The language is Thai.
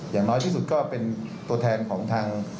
อย่างน้อยที่สุดก็เป็นตัวแทนของทาง